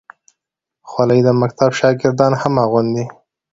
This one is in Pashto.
خولۍ د مکتب شاګردان هم اغوندي.